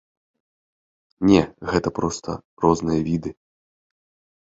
Не, гэта проста розныя віды.